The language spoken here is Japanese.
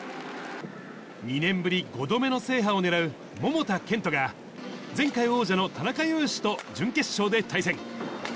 ２年ぶり５度目の制覇をねらう桃田賢斗が、前回王者の田中ゆうしと準決勝で対戦。